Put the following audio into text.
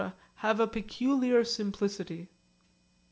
have a peculiar simplicity.